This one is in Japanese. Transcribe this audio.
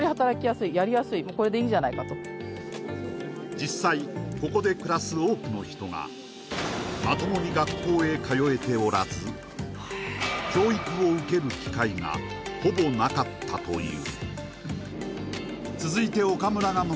実際、ここで暮らす多くの人がまともに学校へ通えておらず、教育を受ける機会がほぼなかったという。